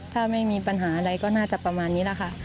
ถ้าไม่มีปัญหาอะไรก็น่าจะประมาณนี้แหละค่ะ